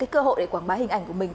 cơ hội để quảng bá hình ảnh của mình